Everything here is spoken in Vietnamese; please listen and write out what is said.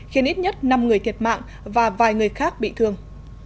khiến ít nhất năm người thiệt mạng và vài người khác bị thương